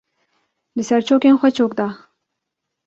Li ser çokên xwe çok da.